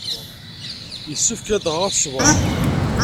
Yessefk ladɣa ad tṣebremt.